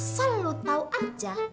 asal lo tau aja